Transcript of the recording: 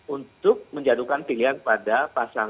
untuk menjadikan pilihan pada pasal ini